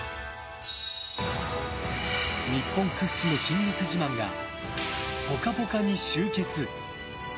日本屈指の筋肉自慢が「ぽかぽか」に集結！